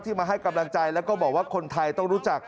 มาให้กำลังใจแล้วก็บอกว่าคนไทยต้องรู้จัก